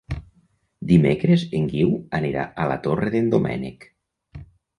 Dimecres en Guiu anirà a la Torre d'en Doménec.